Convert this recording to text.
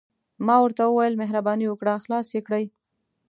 ما ورته وویل: مهرباني وکړه، خلاص يې کړئ.